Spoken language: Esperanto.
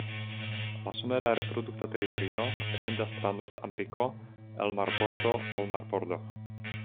La somera reprodukta teritorio etendas tra Nordameriko el marbordo al marbordo.